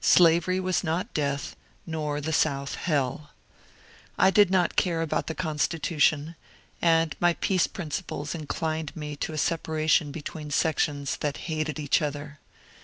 Slavery was not death, nor the South hell. I did not care about the Constitution, and my peace principles inclined me to a separation between sections that hated each other.